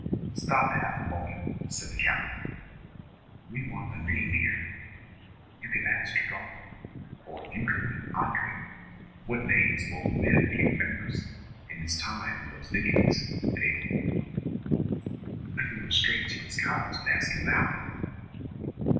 "Stop half a moment," said the captain. "We want a name here. You could ask Tregarthen (or if you couldn't I could) what names of old men he remembers in his time in those diggings? Hey?" "I can go straight to his cottage, and ask him now."